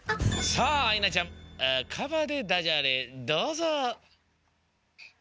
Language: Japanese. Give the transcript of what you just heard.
さああいなちゃん「カバ」でダジャレどうぞ。